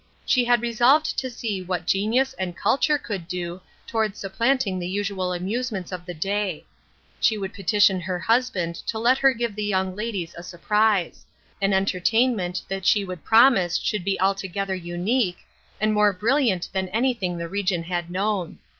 She had resolved to see what genius and culture could do toward supplanting the usual amusements of the day. She would petition her husband to let her give the young ladies a sur prise — an entertainment that she would promise should be altogether unique, and more brilliant than anything the region had known.